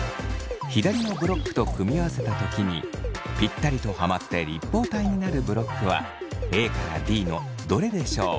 左のブロックと組み合わせた時にピッタリとはまって立方体になるブロックはＡからＤのどれでしょう？